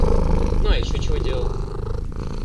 Ну а ещё чего делал?